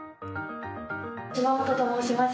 島本と申します。